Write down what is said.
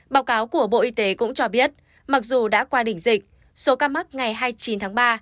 báo cáo của bộ y tế cũng cho biết mặc dù đã qua đỉnh dịch số ca mắc ngày hai mươi chín tháng ba